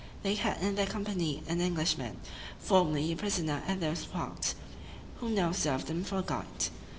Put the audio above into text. They had in their company an Englishman, formerly a prisoner in those parts, who now served them for a guide.